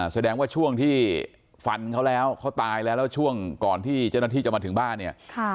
แสดงว่าช่วงที่ฟันเขาแล้วเขาตายแล้วแล้วช่วงก่อนที่เจ้าหน้าที่จะมาถึงบ้านเนี่ย